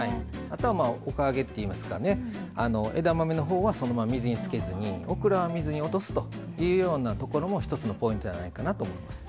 あとはおか上げっていいますか枝豆のほうはそのまま水につけずにオクラは水に落とすというようなところも一つのポイントやないかなと思います。